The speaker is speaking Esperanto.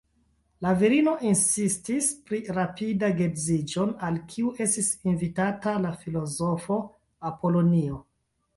La virino insistis pri rapida geedziĝon, al kiu estis invitata la filozofo Apolonio.